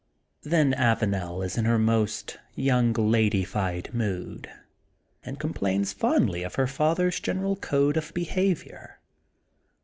Then Avanel is in her most young ladyfied'* mood and com plains fondly of her fathers general code of behavior.